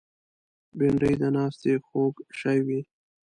بېنډۍ د ناستې خوږ شی وي